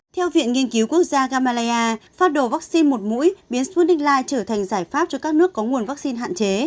theo viện nghiên cứu quốc gia gamaleya phát đồ vaccine một mũi biến sputnik light trở thành giải pháp cho các nước có nguồn vaccine hạn chế